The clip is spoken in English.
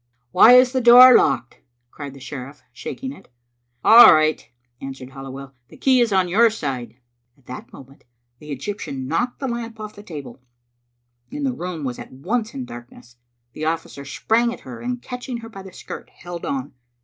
" Why is the door locked?" cried the sheriflE, shaking it. " All right," answered Halliwell ;" the key is on your side." At that moment the Egyptian knocked the lamp oflF the table, and the room was at once in darkness. The oflScer sprang at her, and, catching her by the skirt, held on.